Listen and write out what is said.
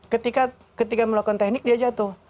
ketika melakukan teknik dia jatuh